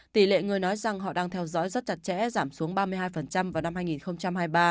tỷ lệ người nói rằng họ đang theo dõi rất chặt chẽ giảm xuống ba mươi hai vào năm hai nghìn hai mươi ba